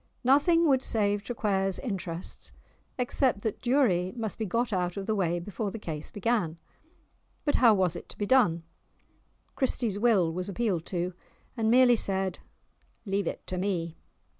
Nothing would save Traquair's interests except that Durie must be got out of the way before the case began. But how was it to be done? Christie's Will was appealed to, and merely said "Leave it to me."